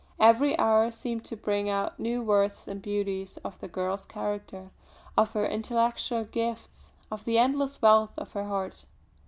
Every hour seemed to bring out new worths and beauties of the girl's character, of her intellectual gifts, of the endless wealth of her heart.